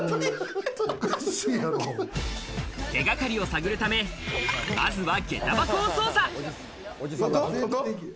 手掛かりを探るため、まずは下駄箱を捜査！